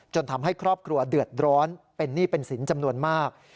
ทำให้ครอบครัวเดือดร้อนเป็นหนี้เป็นสินจำนวนมาก